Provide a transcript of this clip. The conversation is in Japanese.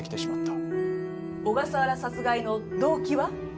小笠原殺害の動機は？